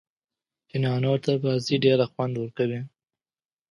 فېنانو ته بازي ډېره خوند ورکوي.